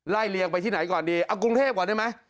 เลียงไปที่ไหนก่อนดีเอากรุงเทพก่อนได้ไหม